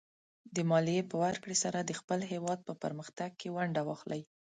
د مالیې په ورکړې سره د خپل هېواد په پرمختګ کې ونډه واخلئ.